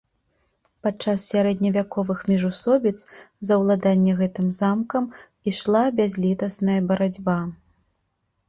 Падчас сярэдневяковых міжусобіц за ўладанне гэтым замкам ішла бязлітасная барацьба.